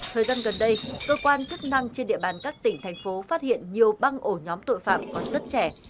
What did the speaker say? thời gian gần đây cơ quan chức năng trên địa bàn các tỉnh thành phố phát hiện nhiều băng ổ nhóm tội phạm còn rất trẻ